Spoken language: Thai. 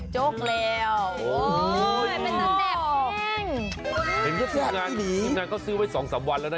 โจ๊กแล้วโอ้ยเป็นตัวแจกแม่งอันนี้ก็ซื้อไว้สองสามวันแล้วนะ